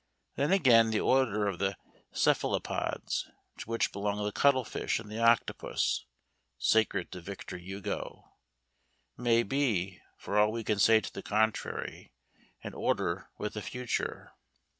Then, again, the order of the Cephalopods, to which belong the cuttle fish and the octopus (sacred to Victor Hugo), may be, for all we can say to the contrary, an order with a future.